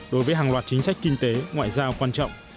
đối với hàng loạt chính sách kinh tế ngoại giao quan trọng